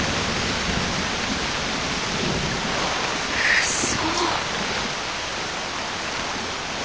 うそ。